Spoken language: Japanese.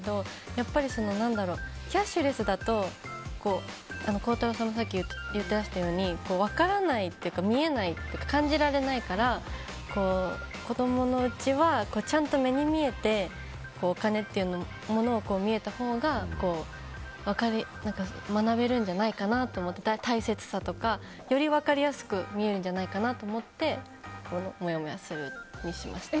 やっぱりキャッシュレスだと孝太郎さんもさっき言ってらしたように分からないというか見えない感じられないから子供のうちはちゃんと目に見えてお金っていうものが見えたほうが学べるんじゃないかと思って大切さとか、より分かりやすく見えるんじゃないかなと思ってもやもやするにしました。